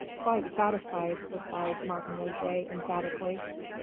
"Quite satisfied," replied Martin Roget emphatically.